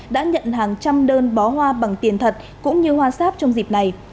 đã nhận hàng trăm đơn bó hoa bằng tiền thật cũng như hoa sáp trong dịp này